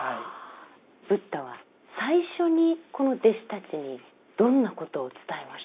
ブッダは最初にこの弟子たちにどんなことを伝えましたか？